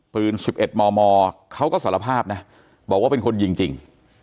ปืน๑๑มมเขาก็สารภาพนะบอกว่าเป็นคนยิงจริง